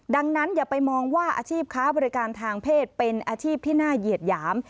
ดังนั้นอย่าไปมองว่าอาชีพค้าบริการทางเพศเป็นอาชีพที่น่าเหยียดหยาม